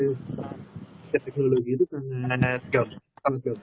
tentunya kita bisa berkolaborasi dengan netgom